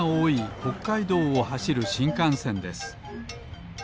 ほっかいどうをはしるしんかんせんです。